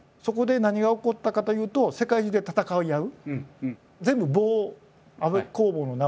そこで何が起こったかというと世界中で戦い合う。